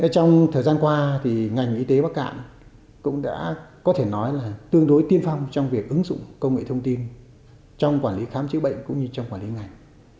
trong thời gian qua ngành y tế bắc cạn cũng đã có thể nói là tương đối tiên phong trong việc ứng dụng công nghệ thông tin trong quản lý khám chữa bệnh cũng như trong quản lý ngành